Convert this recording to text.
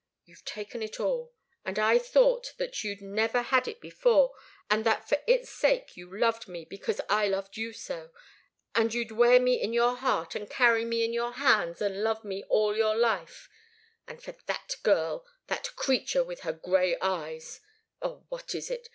You've taken it all, and I thought that you'd never had it before, and that for its sake you loved me, because I loved you so that you'd wear me in your heart, and carry me in your hands, and love me all your life and for that girl, that creature with her grey eyes oh, what is it?